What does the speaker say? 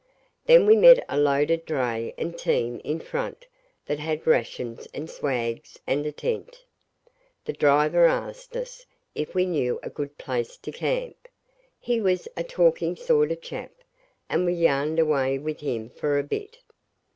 Then we met a loaded dray and team in front, that had rations and swags and a tent. The driver asked us if we knew a good place to camp. He was a talking sort of chap, and we yarned away with him for a bit.